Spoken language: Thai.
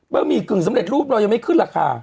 หมี่กึ่งสำเร็จรูปเรายังไม่ขึ้นราคา